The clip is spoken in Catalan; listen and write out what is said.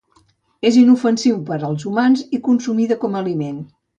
És inofensiu per als humans i consumida com a aliment.